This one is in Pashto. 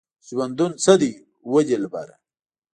ژوندونه څه دی وه دلبره؟